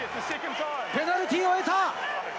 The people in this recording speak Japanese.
ペナルティーを得た。